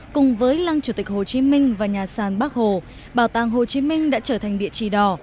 cùng với lăng chủ tịch hồ chí minh và nhà sàn bắc hồ bảo tàng hồ chí minh đã trở thành địa chỉ đỏ